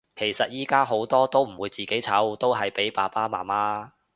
其實依家好多都唔會自己湊，都係俾爸爸媽媽